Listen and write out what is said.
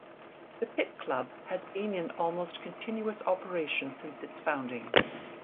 The Pitt Club has been in almost continuous operation since its founding.